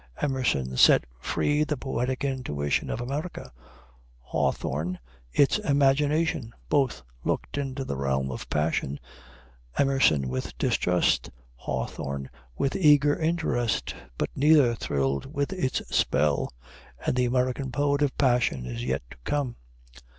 Emerson set free the poetic intuition of America, Hawthorne its imagination. Both looked into the realm of passion, Emerson with distrust, Hawthorne with eager interest; but neither thrilled with its spell, and the American poet of passion is yet to come.